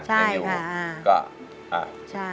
ใช่ค่ะ